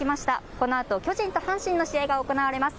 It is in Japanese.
このあと巨人対阪神の試合が行われます。